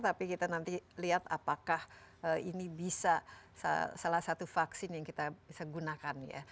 tapi kita nanti lihat apakah ini bisa salah satu vaksin yang kita bisa gunakan ya